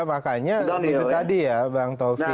makanya itu tadi ya bang taufik